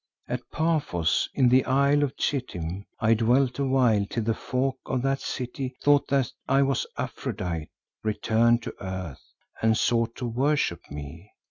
"At Paphos in the Isle of Chitim I dwelt a while till the folk of that city thought that I was Aphrodite returned to earth and sought to worship me.